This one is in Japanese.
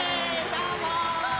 どうも！